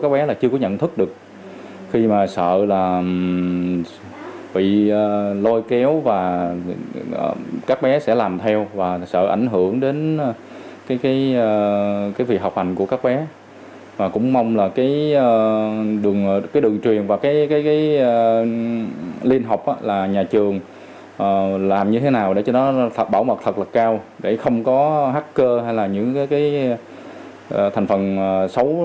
bảo mật thật là cao để không có hacker hay là những cái thành phần xấu